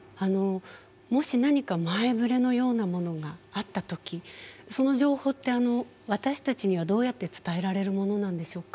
もし何か前ぶれのようなものがあった時その情報って私たちにはどうやって伝えられるものなんでしょうか？